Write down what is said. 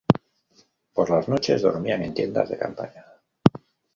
Por las noches dormían en tiendas de campaña.